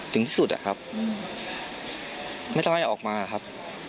ติดที่สุดไม่ต้องให้ออกมาครับ